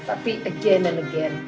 tapi again and again